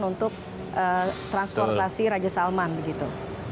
yang disiapkan untuk transportasi raja salman begitu